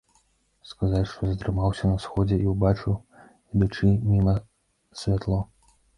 Сказаць, што затрымаўся на сходзе і ўбачыў, ідучы міма, святло.